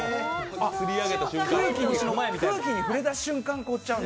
空気に触れた瞬間凍っちゃうんだ。